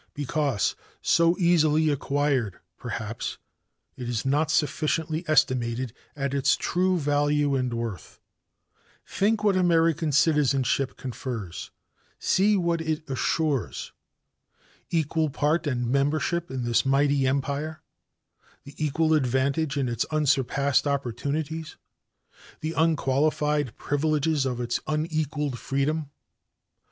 Because so easily acquired, perhaps, it is not sufficiently estimated at its true value and worth. Think what American citizenship confers; see what it assures! Equal part and membership in this mighty empire the equal advantage in its unsurpassed opportunities the unqualified privileges of its unequaled freedom.